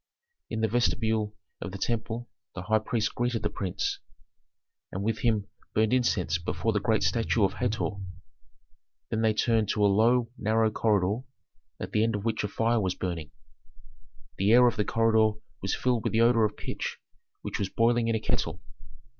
In the vestibule of the temple the high priest greeted the prince, and with him burned incense before the great statue of Hator. Then they turned to a low, narrow corridor, at the end of which a fire was burning. The air of the corridor was filled with the odor of pitch which was boiling in a kettle.